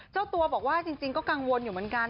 เจ้าตัวบอกว่าจริงก็กังวลอยู่เหมือนกัน